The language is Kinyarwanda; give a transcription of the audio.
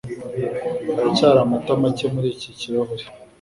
Haracyari amata make muri iki kirahure.